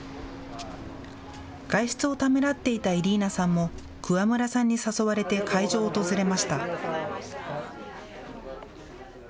外出をためらっていたイリーナさんも、桑村さんに誘われて会場を訪れました。